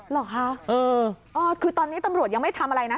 เหรอคะคือตอนนี้ตำรวจยังไม่ทำอะไรนะ